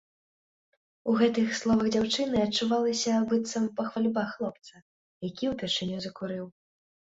У гэтых словах дзяўчыны адчувалася быццам пахвальба хлопца, які ўпершыню закурыў.